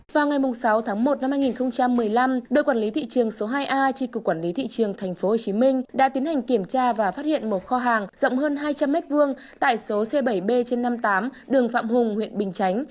vào ngày sáu tháng một năm hai nghìn một mươi năm đội quản lý thị trường số hai a chi cục quản lý thị trường tp hcm đã tiến hành kiểm tra và phát hiện một kho hàng rộng hơn hai trăm linh m hai tại số c bảy b trên năm mươi tám đường phạm hùng huyện bình chánh